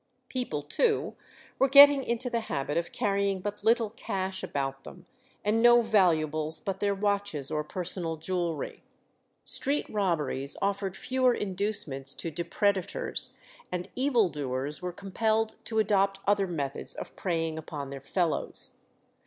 People, too, were getting into the habit of carrying but little cash about them, and no valuables but their watches or personal jewellery. Street robberies offered fewer inducements to depredators, and evil doers were compelled to adopt other methods of preying upon their fellows.